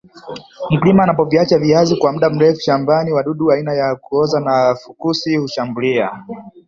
mkulima anapoviacha viazi kwa mda mrefu shamabani wadudu aina ya kuoza na fukusi hushambulia